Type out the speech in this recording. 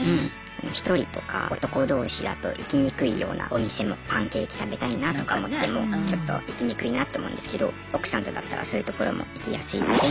１人とか男同士だと行きにくいようなお店もパンケーキ食べたいなとか思ってもちょっと行きにくいなって思うんですけど奥さんとだったらそういうところも行きやすいので。